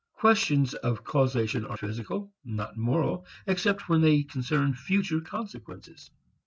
Questions of causation are physical, not moral except when they concern future consequences.